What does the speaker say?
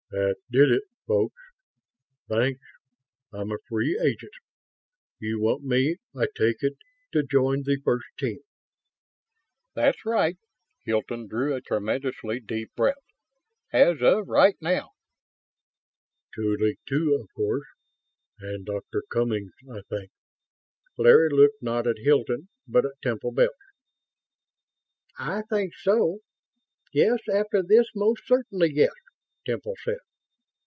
"That did it, folks. Thanks. I'm a free agent. You want me, I take it, to join the first team?" "That's right." Hilton drew a tremendously deep breath. "As of right now." "Tuly, too, of course ... and Doctor Cummings, I think?" Larry looked, not at Hilton, but at Temple Bells. "I think so. Yes, after this, most certainly yes," Temple said.